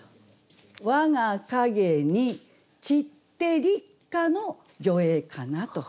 「わが影に散つて立夏の魚影かな」と。